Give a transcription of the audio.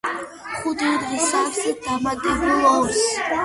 ხუთი უდრის სამს დამატებული ორი.